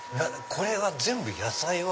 これは全部野菜は。